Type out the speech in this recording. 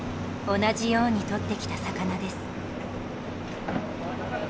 同じようにとってきた魚です。